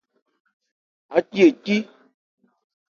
Ácí e cí.